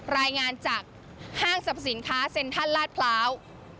รายงานจากห้างสรรพสินค้าเซ็นทรัลลาดพร้าว